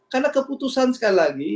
karena keputusan sekali lagi